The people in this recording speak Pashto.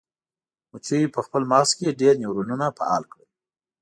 مچیو په خپل مغز کې ډیر نیورونونه فعال کړل.